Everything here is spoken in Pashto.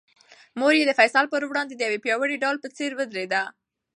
مور یې د فیصل په وړاندې د یوې پیاوړې ډال په څېر ودرېده.